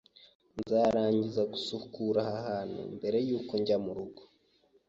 Nzarangiza gusukura aha hantu mbere yuko njya murugo.